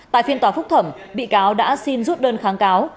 tại phiên tòa phúc thẩm bị cáo đã xin rút đơn kháng cáo